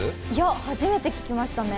初めて聞きましたね。